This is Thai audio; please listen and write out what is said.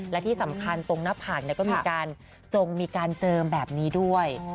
และที่สำคัญตรงหน้าผากก็มีการจงมีการเจิมแบบนี้ด้วย